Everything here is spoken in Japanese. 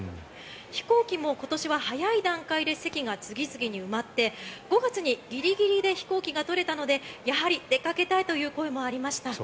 飛行機も今年は早い段階で席が次々に埋まって５月にギリギリで飛行機が取れたのでやはり出かけたいという声もありました。